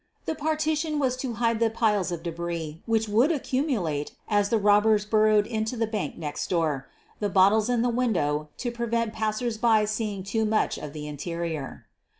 The partition was to hide the piles of debris which would accumulate as the rob bers burrowed into the bank next door; the bottles in the window to prevent passersby seeing too much of the interior.